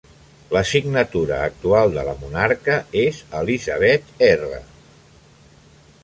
La signatura actual de la monarca és "Elizabeth R".